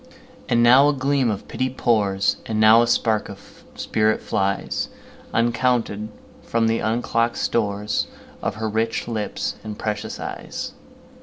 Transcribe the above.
And now a gleam of pity pours, And now a spark of spirit flies, Uncounted, from the unlock'd storesOf her rich lips and precious eyes.